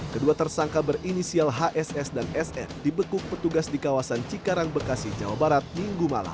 kedua tersangka berinisial hss dan sr dibekuk petugas di kawasan cikarang bekasi jawa barat minggu malam